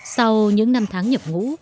sau những năm tháng nhập ngũ